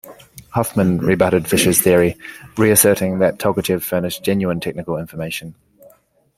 Hoffman rebutted Fischer's theory, reasserting that Tolkachev furnished genuine technical information.